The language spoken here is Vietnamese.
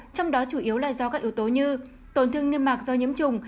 trong đó chủ yếu là do các yếu tố như tổn thương niêm mạc do nhiễm trùng